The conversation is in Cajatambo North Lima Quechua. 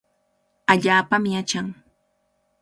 Allaapami achan.